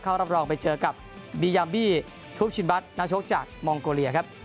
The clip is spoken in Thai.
รอบรองไปเจอกับบียามบี้ทูปชินบัตรนักชกจากมองโกเลียครับ